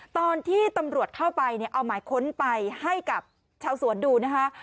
ตอนที่ตำรวจเข้าไปเนี่ยเอาหมายค้นไปให้กับชาวสวนดูนะคะ